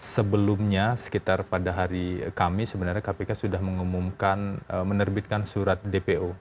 sebelumnya sekitar pada hari kamis sebenarnya kpk sudah mengumumkan menerbitkan surat dpo